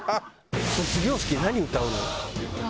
卒業式何歌うの？